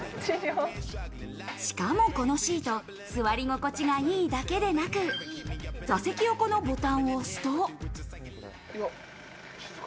しかも、このシート、座り心地が良いだけでなく、座席横のボタンを押すと。